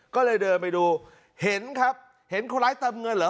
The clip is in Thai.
ก็เลยเดินไปดูเห็นครับเห็นคนร้ายเติมเงินเหรอ